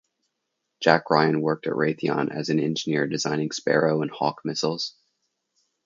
Jack Ryan worked at Raytheon as an engineer designing Sparrow and Hawk missiles.